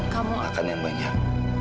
kamu akan yang banyak